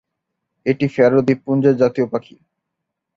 এটি ফ্যারো দ্বীপপুঞ্জের জাতীয় পাখি।